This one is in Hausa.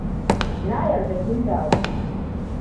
Na yarda kin damu.